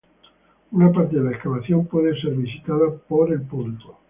Una parte de la excavación puede ser visitada por el público.